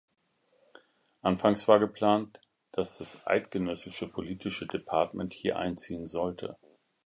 Anfangs war geplant, dass das Eidgenössische Politische Departement hier einziehen sollte.